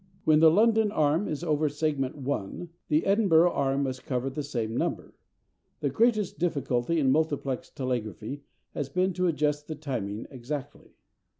When the London arm is over segment 1, the Edinburgh arm must cover the same number. The greatest difficulty in multiplex telegraphy has been to adjust the timing exactly.